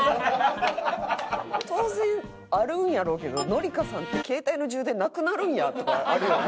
当然あるんやろうけど紀香さんって携帯の充電なくなるんやとかあるよね。